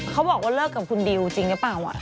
พี่หนุ่มรู้เรากับคุณดิวจริงหรือเปล่า